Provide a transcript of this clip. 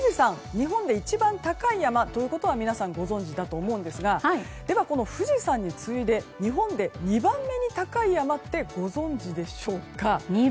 日本で一番高い山ということは皆さん、ご存じだと思うんですがでは富士山に次いで日本で２番目に高い山ってご存じでしょうか。